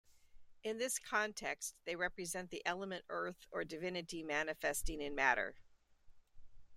In this context they represent the element earth or divinity manifesting in matter.